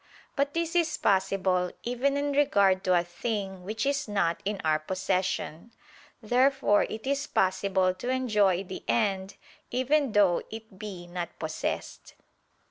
But this is possible, even in regard to a thing which is not in our possession. Therefore it is possible to enjoy the end even though it be not possessed.